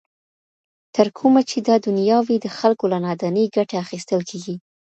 تر کومه چي دا دنیا وي د خلګو له نادانۍ ګټه اخیستل کیږي.